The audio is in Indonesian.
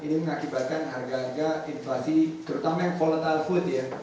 ini mengakibatkan harga harga inflasi terutama yang volatile food ya